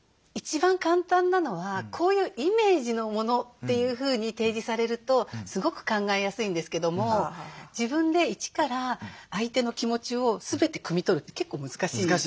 一番簡単なのはこういうイメージのものというふうに提示されるとすごく考えやすいんですけども自分で一から相手の気持ちを全てくみ取るって結構難しい。